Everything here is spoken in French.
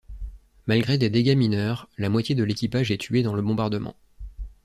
Malgré des dégâts mineurs, la moitié de l'équipage est tuée dans le bombardement.